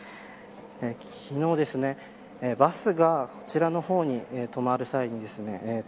昨日、バスがこちらの方に止まる際にですね